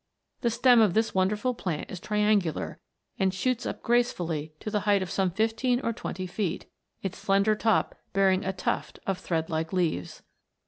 The stem of this wonderful plant is triangular, and shoots up gracefully to the height of some fifteen or twenty feet, its slender top bearing a tuft of thread like leaves.